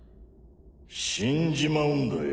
死んじまうんだよ